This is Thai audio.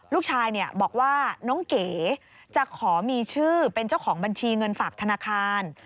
ลูกชายบอกว่าน้องเก๋จะขอมีชื่อเป็นเจ้าของบัญชีเงินฝากธนาคาร